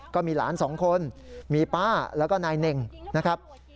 ก็มีหลานสองคนมีป้าแล้วก็นายเน่งนะครับ